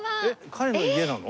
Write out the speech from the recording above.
彼の家なの？